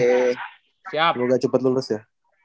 semoga cepat lulus ya